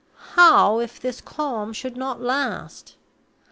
How if this calm should not last?